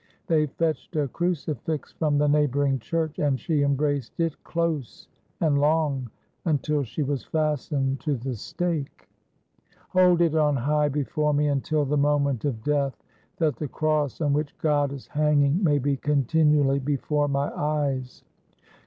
They fetched a Cruci fix from the neighboring church, and she embraced it ''close and long" until she was fastened to the stake. "Hold it on high before me until the moment of death, that the Cross on which God is hanging may be continually before my eyes."